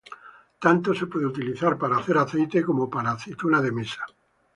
Tanto se puede utilizar para hacer aceite como para aceituna de mesa.